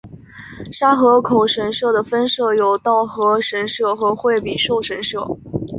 沙河口神社的分社有稻荷神社和惠比寿神社。